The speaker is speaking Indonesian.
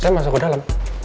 saya masuk ke dalam